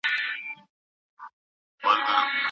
تړونونه د هیوادونو ترمنځ مکلفیتونه ټاکي.